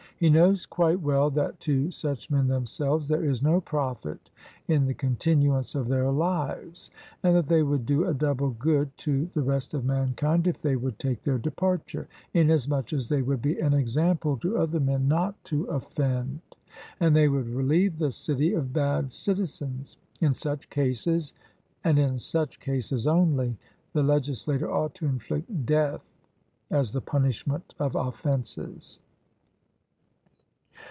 He knows quite well that to such men themselves there is no profit in the continuance of their lives, and that they would do a double good to the rest of mankind if they would take their departure, inasmuch as they would be an example to other men not to offend, and they would relieve the city of bad citizens. In such cases, and in such cases only, the legislator ought to inflict death as the punishment of offences.